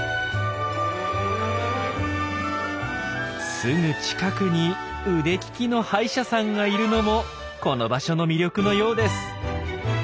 すぐ近くに腕利きの歯医者さんがいるのもこの場所の魅力のようです。